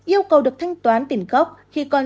yêu cầu được thanh toán tiền gốc khi con